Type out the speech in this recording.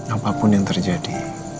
apapun yang terjadi